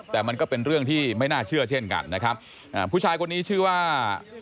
แต่มันก็เป็นเรื่องที่ไม่น่าเชื่อเช่นกันนะครับอ่าผู้ชายคนนี้ชื่อว่า